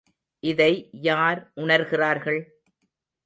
இதை யார் உணர்கிறார்கள்?